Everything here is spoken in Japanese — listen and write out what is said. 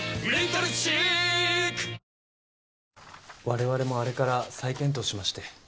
我々もあれから再検討しまして。